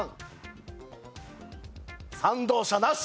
賛同者なし！